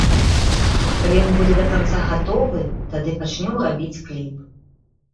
Калі ён будзе да канца гатовы, тады пачнём рабіць кліп.